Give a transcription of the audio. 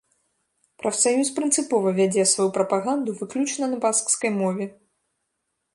Прафсаюз прынцыпова вядзе сваю прапаганду выключна на баскскай мове.